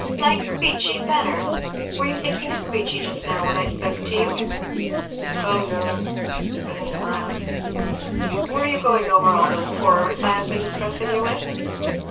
"Like Queechy better! Were you thinking of Queechy just now when I spoke to you?" "Oh no!" with a smile. "Were you going over all those horrors I have been distressing you with?"